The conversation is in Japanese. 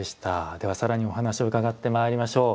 では更にお話を伺ってまいりましょう。